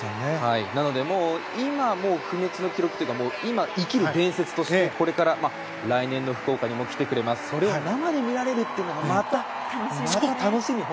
なので、今不滅の記録というか今、生きる伝説としてこれから、来年の福岡にも来てくれますしそれを生で見られるというのがまた、楽しみ。